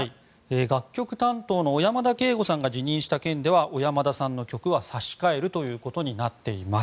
楽曲担当の小山田圭吾さんが辞任した件では小山田さんの曲は差し替えるということになっています。